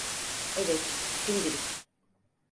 Evet, şimdilik.